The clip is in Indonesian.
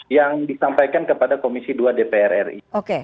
yang disampaikan kepada komisi dua dpr ri